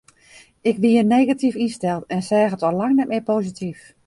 Ik wie negatyf ynsteld en seach al hiel lang neat mear posityf.